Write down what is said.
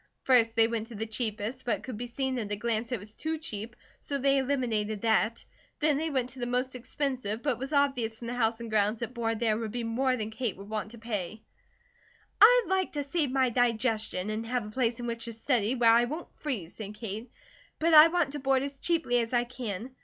First they went to the cheapest, but it could be seen at a glance that it was too cheap, so they eliminated that. Then they went to the most expensive, but it was obvious from the house and grounds that board there would be more than Kate would want to pay. "I'd like to save my digestion, and have a place in which to study, where I won't freeze," said Kate, "but I want to board as cheaply as I can.